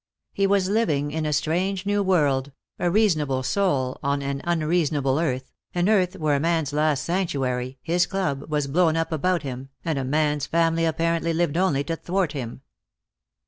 He was living in a strange new world, a reasonable soul on an unreasonable earth, an earth where a man's last sanctuary, his club, was blown up about him, and a man's family apparently lived only to thwart him.